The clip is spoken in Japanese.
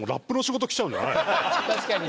確かにね。